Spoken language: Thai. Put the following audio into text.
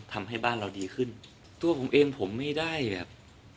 ทำให้บ้านเราดีขึ้นตัวผมเองผมไม่ได้แบบ